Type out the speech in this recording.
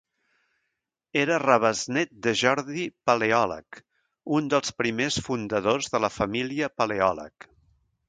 Era rebesnét de Jordi Paleòleg, un dels primers fundadors de la família Paleòleg.